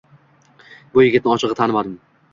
Bu yigitni ochigʻi tanimadim.